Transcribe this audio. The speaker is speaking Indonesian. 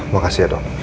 makasih ya dok